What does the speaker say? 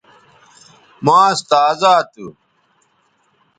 ماس تازا تھو